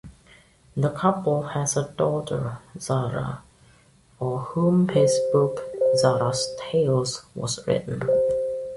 The couple has a daughter, Zara, for whom his book, Zara's Tales, was written.